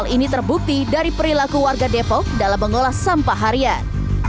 hal ini terbukti dari perilaku warga depok dalam mengolah sampah harian